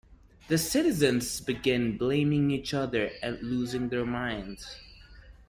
The citizens begin blaming each other and losing their minds.